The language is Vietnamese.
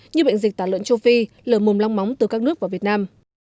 như bệnh dịch tàn lợn châu phi lờ mùm long móng từ các nước vào việt nam